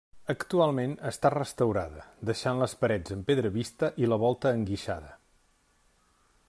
Actualment està restaurada deixant les parets amb pedra vista i la volta enguixada.